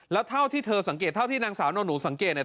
แล้วเท่าที่เธอสังเกตเท่าที่นางสาวนอนหนูสังเกตเนี่ย